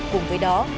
cùng với đó